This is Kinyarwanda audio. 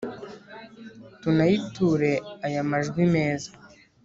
tunayiture aya majwi meza